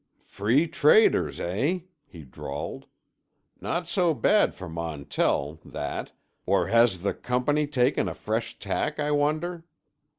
"Free traders, eh?" he drawled. "Not so bad for Montell, that—or has the Company taken a fresh tack, I wonder?